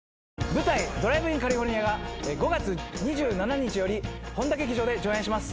舞台『ドライブインカリフォルニア』が５月２７日より本多劇場で上演します。